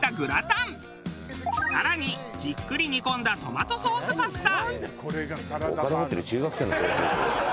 更にじっくり煮込んだトマトソースパスタ。